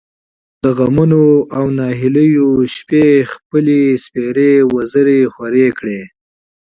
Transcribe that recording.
د غمـونـو او نهـيليو شـپې خپـلې سپـېرې وزرې خـورې کـړې.